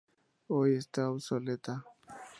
Hoy está obsoleta.